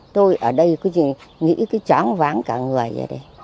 tôi ở đây có gì nghĩ cái tróng váng cả người vậy